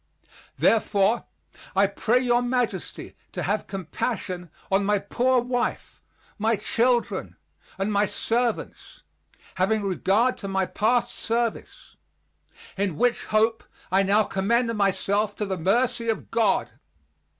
Therefore, I pray your majesty to have compassion on my poor wife, my children and my servants, having regard to my past service. In which hope I now commend myself to the mercy of God.